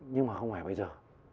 nhưng mà không phải bây giờ